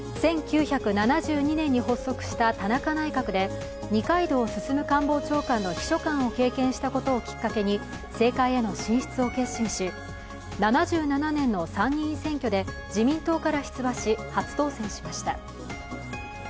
１９７２年に発足した田中内閣で二階堂進官房長官の秘書官を経験したことをきっかけに政界への進出を決心し、７７年の参議院選挙で自民党から出馬し、初当選しました。